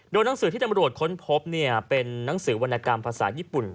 หนังสือที่ตำรวจค้นพบเป็นนังสือวรรณกรรมภาษาญี่ปุ่น